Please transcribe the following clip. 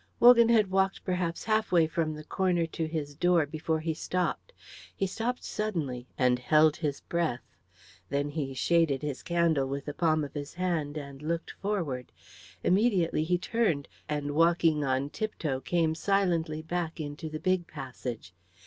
Wogan had walked perhaps halfway from the corner to his door before he stopped. He stopped suddenly and held his breath. Then he shaded his candle with the palm of his hand and looked forward. Immediately he turned, and walking on tiptoe came silently back into the big passage.